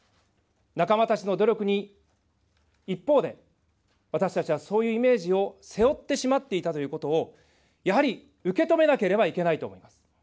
仲間たちの努力に、一方で、私たちはそういうイメージを背負ってしまっていたということを、やはり受け止めなければいけないと思います。